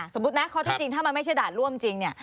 สมมุตินะข้อที่จริงถ้ามันไม่ใช่ด่านร่วมจริงเนี่ย